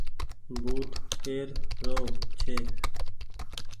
بوٽ پير رو ڇي۔